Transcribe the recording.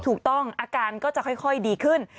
ถูกต้องอาการก็จะค่อยดีขึ้น